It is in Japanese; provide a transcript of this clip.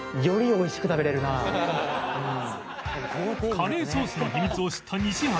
カレーソースの秘密を知った西畑